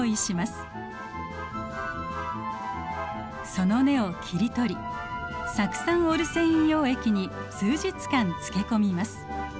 その根を切り取り酢酸オルセイン溶液に数日間漬け込みます。